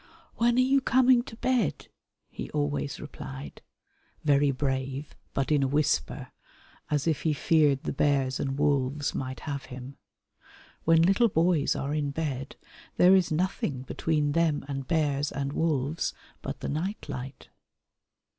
"When are you coming to bed?" he always replied, very brave but in a whisper, as if he feared the bears and wolves might have him. When little boys are in bed there is nothing between them and bears and wolves but the night light.